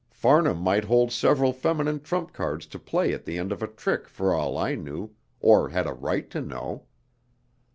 Farnham might hold several feminine trump cards to play at the end of a trick for all I knew, or had a right to know.